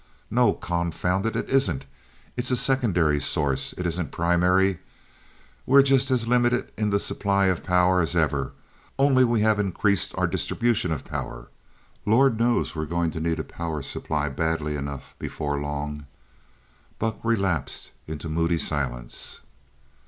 "No, confound it, it isn't. It's a secondary source. It isn't primary. We're just as limited in the supply of power as ever only we have increased our distribution of power. Lord knows, we're going to need a power supply badly enough before long " Buck relapsed into moody silence.